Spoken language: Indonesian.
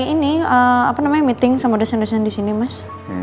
ini aku baru aja selesai meeting sama dosen dosen di sini mas